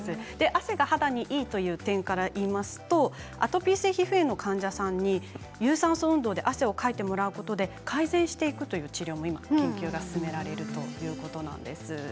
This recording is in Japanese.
汗が肌にいいということはアトピー性皮膚炎の患者さんに有酸素運動で汗をかいてもらうことで改善していくという治療の研究が進められるということなんです。